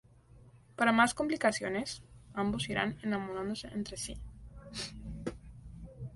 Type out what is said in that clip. Para más complicaciones, ambos irán enamorándose entre sí.